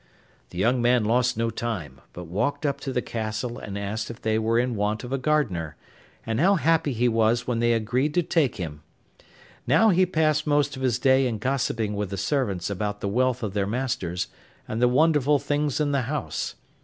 The young man lost no time, but walked up to the castle and asked if they were in want of a gardener; and how happy he was when they agreed to take him! Now he passed most of his day in gossiping with the servants about the wealth of their masters and the wonderful things in the house.